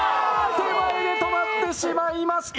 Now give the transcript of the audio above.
手前で止まってしまいました。